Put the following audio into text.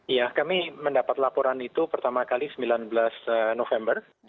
iya kami mendapat laporan itu pertama kali sembilan belas november